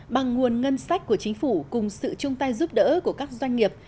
bằng nguồn ngân sách của chính phủ cùng sự chung tay giúp đỡ của các doanh nghiệp